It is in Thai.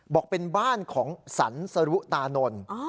บอกเป็นบ้านของสรรสรุตานนท์